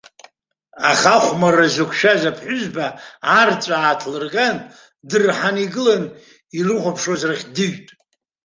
Аха ахәмарра зықәшәаз аԥҳәызба арҵәаа ааҭлырган, дырҳаны игылан ирыхәаԥшуаз рахь дыҩт.